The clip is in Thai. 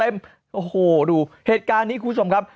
โอ้โหดูเหตุการณ์นี้คุณผู้ชมครับ